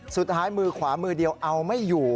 สุดท้ายมือขวามือเดียวเอาไม่อยู่